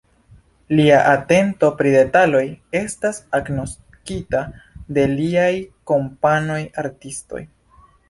Lia atento pri detaloj estas agnoskita de liaj kompanoj artistoj.